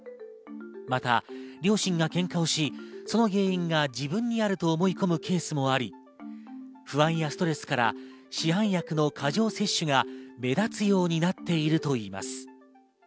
また両親が喧嘩をし、その原因が自分にあると思い込むケースもあり、不安やストレスから市販薬の過剰摂取が目立つようになっているといいます。